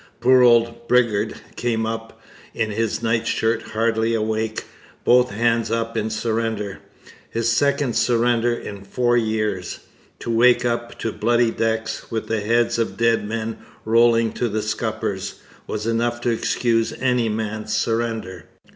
Poor old Bridgar came up in his nightshirt, hardly awake, both hands up in surrender his second surrender in four years. To wake up to bloody decks, with the heads of dead men rolling to the scuppers, was enough to excuse any man's surrender.